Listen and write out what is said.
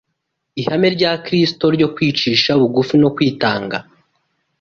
ihame rya Kristo ryo kwicisha bugufi no kwitanga